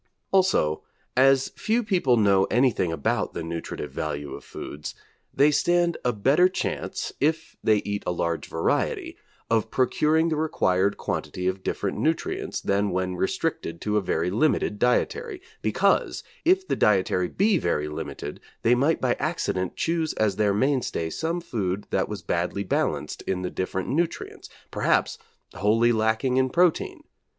Also as few people know anything about the nutritive value of foods, they stand a better chance, if they eat a large variety, of procuring the required quantity of different nutrients than when restricted to a very limited dietary, because, if the dietary be very limited they might by accident choose as their mainstay some food that was badly balanced in the different nutrients, perhaps wholly lacking in protein.